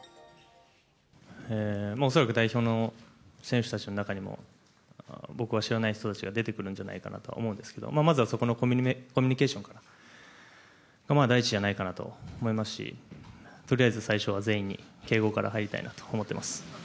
恐らく代表の選手たちの中にも、僕は知らない人たちが出てくるんじゃないかと思うんですけど、まずはそこのコミュニケーションから第一じゃないかなと思いますし、とりあえず最初は全員に敬語から入りたいなと思っています。